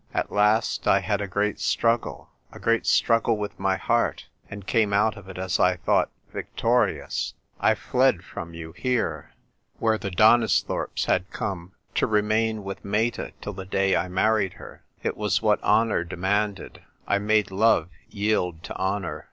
At last I had a great struggle — ^a great struggle with my heart, and came out of it as I thought victorious. I fled from you here; 214 THE TYPE WRITER GIRL. where the Donisthorpes had come, to remain with Meta till the day I married her. It was what honour demanded ; I made love yield to honour."